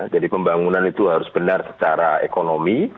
jadi pembangunan itu harus benar secara ekonomi